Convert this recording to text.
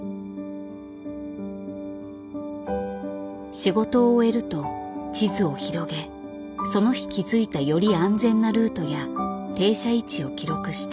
仕事を終えると地図を広げその日気付いたより安全なルートや停車位置を記録した。